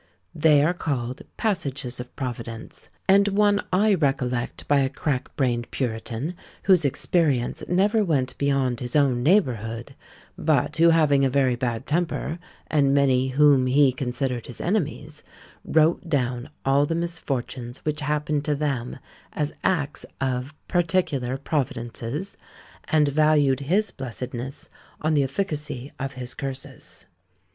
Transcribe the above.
They are called "passages of providence;" and one I recollect by a crack brained puritan, whose experience never went beyond his own neighbourhood, but who having a very bad temper, and many whom he considered his enemies, wrote down all the misfortunes which happened to them as acts of "particular providences," and valued his blessedness on the efficacy of his curses!